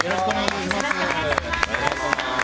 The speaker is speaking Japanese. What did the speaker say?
よろしくお願いします。